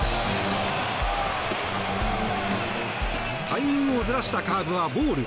タイミングをずらしたカーブはボール。